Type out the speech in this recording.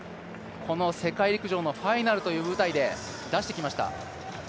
この世界陸上のファイナルという舞台で出してきました。